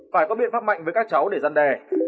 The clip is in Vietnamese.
phải có biện pháp mạnh với các cháu để gian đe